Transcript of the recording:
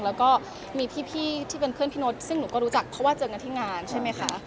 แล้วก็มีพี่ที่เป็นเพื่อนพี่นดซึ่งหนูก็รู้จักเพราะว่าเจอกันที่งานใช่ไหมคะ